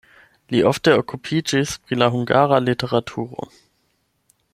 Li ofte okupiĝis pri la hungara literaturo.